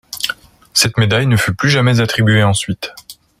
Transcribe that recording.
Cette médaille ne fut plus jamais attribuée ensuite.